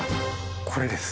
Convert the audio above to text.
これです。